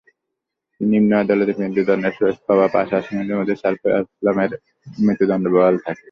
নিম্ন আদালতে মৃত্যুদণ্ডাদেশ পাওয়া পাঁচ আসামির মধ্যে সাইফুল ইসলামের মৃত্যুদণ্ড বহাল থাকে।